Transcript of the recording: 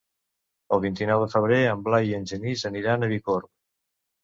El vint-i-nou de febrer en Blai i en Genís aniran a Bicorb.